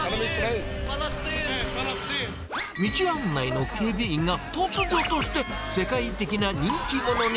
道案内の警備員が、突如として世界的な人気者に。